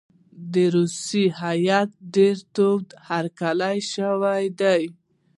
د روسیې هیات ډېر تود هرکلی شوی دی.